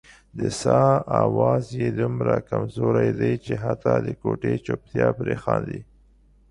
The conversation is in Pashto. د ساه اواز یې دومره کمزوری دی چې حتا د کوټې چوپتیا پرې خاندي.